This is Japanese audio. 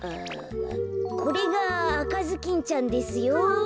これがあかずきんちゃんですよ。